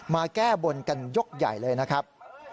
มาแก้บนกันยกใหญ่เลยนะครับ